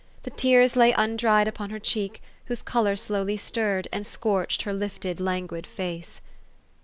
The tears lay un dried upon her cheek, whose color slowly stirred, and scorched her lifted, languid face.